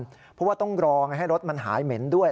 เพราะว่าต้องรอให้รถมันหายเหม็นด้วย